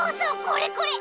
これこれ！